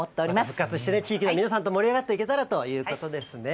復活してね、地域の皆さんと盛り上がっていけたらということですね。